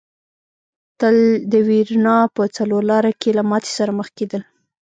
تل د وېرونا په څلور لاره کې له ماتې سره مخ کېدل.